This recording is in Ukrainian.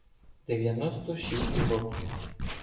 — Дев'яносто шість років.